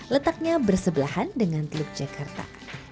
letaknya bersebelahan dengan teluk jakarta